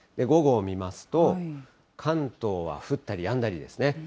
午後を見ますと、関東は降ったりやんだりですね。